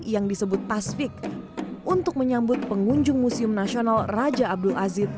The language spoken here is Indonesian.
yang disebut tasfik untuk menyambut pengunjung museum nasional raja abdul aziz